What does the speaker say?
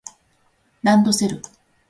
ランドセル